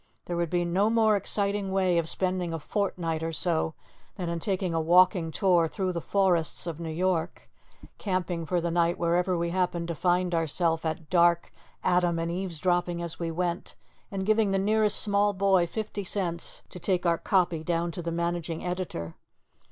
There would be no more exciting way of spending a fortnight or so than in taking a walking tour through the forests of New York, camping for the night wherever we happened to find ourself at dark, Adam and Evesdropping as we went, and giving the nearest small boy fifty cents to take our copy down to the managing editor.